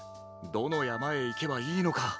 どのやまへいけばいいのか。